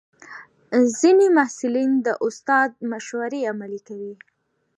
ځینې محصلین د استاد مشورې عملي کوي.